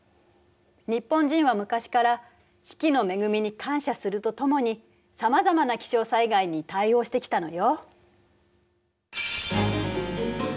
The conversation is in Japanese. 日本人は昔から四季の恵みに感謝するとともにさまざまな気象災害に対応してきたのよ。